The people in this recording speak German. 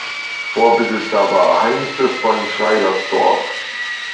Vorbesitzer war Heinze von Schreibersdorf.